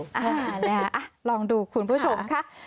อ่าแล้วลองดูคุณผู้ชมค่ะ